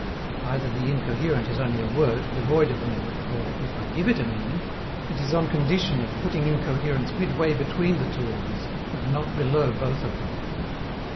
Either the incoherent is only a word, devoid of meaning, or, if I give it a meaning, it is on condition of putting incoherence midway between the two orders, and not below both of them.